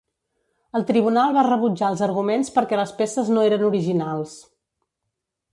El tribunal va rebutjar els arguments perquè les peces no eren originals.